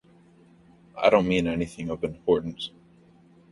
I don't mean anything of importance.